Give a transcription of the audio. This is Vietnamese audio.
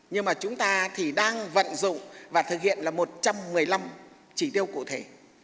nhưng mà chúng ta thì đang vận dụng và thực hiện là một trăm một mươi năm chỉ tiêu cụ thể